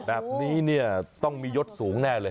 แบบนี้เนี่ยต้องมียศสูงแน่เลย